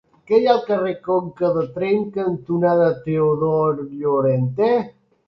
Què hi ha al carrer Conca de Tremp cantonada Teodor Llorente?